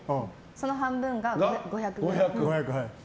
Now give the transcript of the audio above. その半分が５００ｇ。